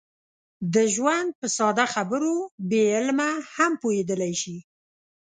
د ژوند په ساده خبرو بې علمه هم پوهېدلی شي.